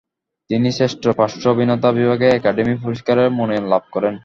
তিনি শ্রেষ্ঠ পার্শ্ব অভিনেতা বিভাগে একাডেমি পুরস্কারের মনোনয়ন লাভ করেন।